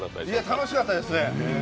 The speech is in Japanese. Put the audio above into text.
楽しかったですね。